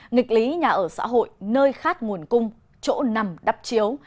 nghịch lý nhà ở xã hội nơi khát nguồn cung chỗ nằm đắp chiếu